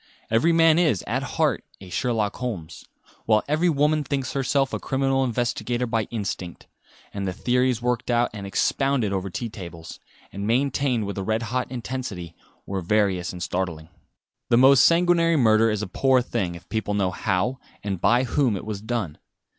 Every man is at heart a Sherlock Holmes, while every woman thinks herself a criminal investigator by instinct; and the theories worked out and expounded over tea tables, and maintained with a red hot intensity, were various and startling. The most sanguinary murder is a poor thing if people know how and by whom it was done.